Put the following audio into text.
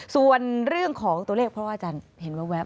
ส่วนเรื่องของตัวเลขเพราะว่าอาจารย์เห็นแว๊บ